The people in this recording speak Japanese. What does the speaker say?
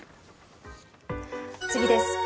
次です。